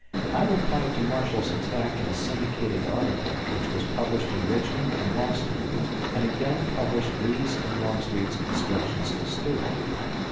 I replied to Marshall's attack in a syndicated article which was published in Richmond and Boston and again published Lee's and Longstreet's instructions to Stuart.